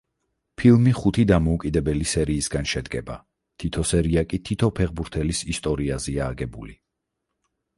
ფილმი ხუთი დამოუკიდებელი სერიისგან შედგება, თითო სერია კი თითო ფეხბურთელის ისტორიაზეა აგებული.